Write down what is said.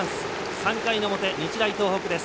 ３回の表、日大東北です。